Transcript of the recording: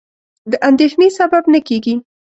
د اندېښنې سبب نه کېږي.